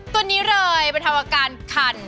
ตัวนี้เลยประธาวกาลคัน